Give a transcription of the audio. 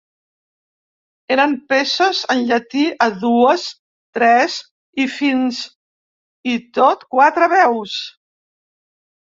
Eren peces en llatí a dues, tres i fins i tot quatre veus.